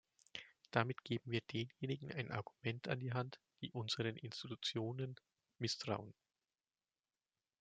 Damit geben wir denjenigen ein Argument an die Hand, die unseren Institutionen misstrauen.